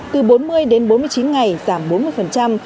từ bốn mươi đến bốn mươi chín ngày giảm bốn mươi